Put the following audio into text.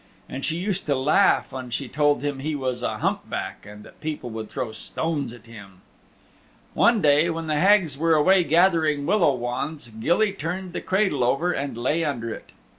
And she used to laugh when she told him he was a hump back and that people would throw stones at him. One day when the Hags were away gathering willow wands, Gilly turned the cradle over and lay under it.